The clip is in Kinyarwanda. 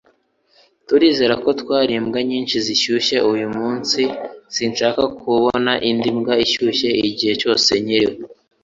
Turizera ko twariye imbwa nyinshi zishyushye uyumunsi. Sinshaka kubona indi mbwa ishyushye igihe cyose nkiriho.